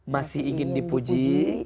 masih ingin dipuji